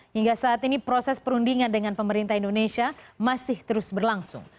hingga saat ini proses perundingan dengan pemerintah indonesia masih terus berlangsung